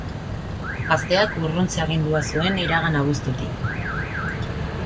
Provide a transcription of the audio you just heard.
Gazteak urruntze-agindua zuen iragan abuztutik.